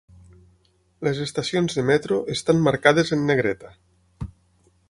Les estacions de metro estan marcades en negreta.